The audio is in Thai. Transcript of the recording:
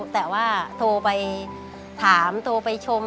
แต่ว่าโทรไปถามโทรไปชม